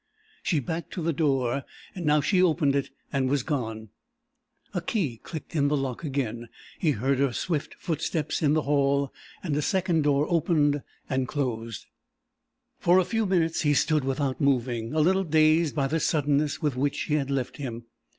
She backed to the door, and now she opened it, and was gone. A key clicked in the lock again, he heard her swift footsteps in the hall, and a second door opened and closed. For a few minutes he stood without moving, a little dazed by the suddenness with which she had left him.